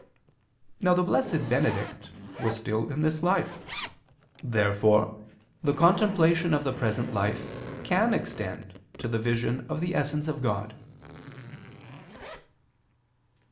Now the blessed Benedict was still in this life. Therefore the contemplation of the present life can extend to the vision of the essence of God.